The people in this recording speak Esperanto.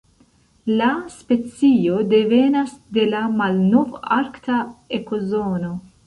La specio devenas de la Malnov-Arkta ekozono.